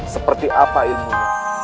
seperti apa ilmunya